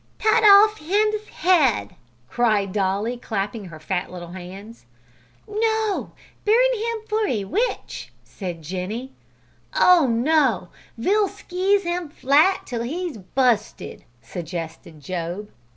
"Tut off him's head," cried Dolly, clapping her fat little hands. "No, burn him for a witch," said Jenny. "Oh no! ve'll skeese him flat till he's bu'sted," suggested Job.